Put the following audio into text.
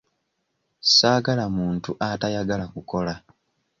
Saagala muntu atayagala kukola.